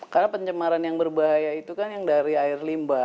karena pencemaran yang berbahaya itu kan yang dari air limbah